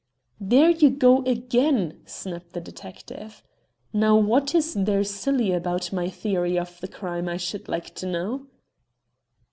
"There you go again," snapped the detective. "Now, what is there silly about my theory of the crime, I should like to know."